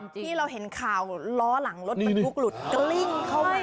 ที่เราเห็นข่าวล้อหลังรถบรรทุกหลุดกลิ้งเข้าไป